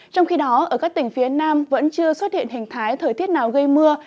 trong khi đó ở các tỉnh phía nam vẫn chưa xuất hiện hình thái thời tiết nào gây mưa